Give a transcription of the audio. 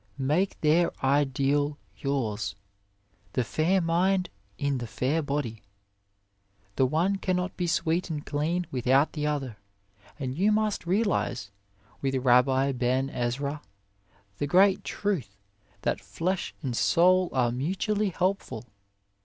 Make their ideal yours the fair mind in the fair body. The one can not be sweet and clean without the other, and you must realise, with Rabbi Ben Ezra, the great truth that flesh and soul are mutually helpful.